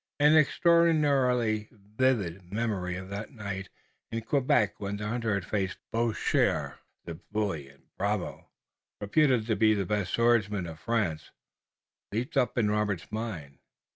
An extraordinarily vivid memory of that night in Quebec when the hunter had faced Boucher, the bully and bravo, reputed the best swordsman of France, leaped up in Robert's mind.